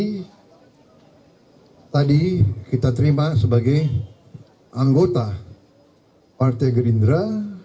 dan tadi kita terima sebagai anggota partai gerindra